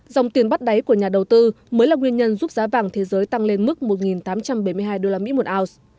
dòng tiền bắt đáy của nhà đầu tư mới là nguyên nhân giúp giá vàng thế giới tăng lên mức một tám trăm bảy mươi hai usd một ounce